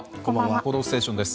「報道ステーション」です。